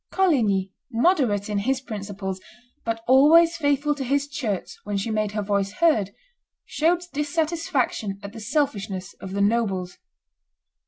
Coligny, moderate in his principles, but always faithful to his church when she made her voice heard, showed dissatisfaction at the selfishness of the nobles.